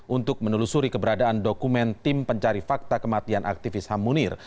untuk menelusuri keberadaan dokumen tim pencari fakta kematian aktivis ham munir